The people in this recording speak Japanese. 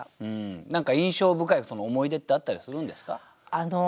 何か印象深い思い出ってあったりするんですか？